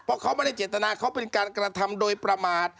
เพราะเขาไม่ได้เจตนาเขาเป็นการกระทำโดยประมาท